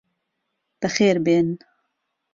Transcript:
بەخێربێن.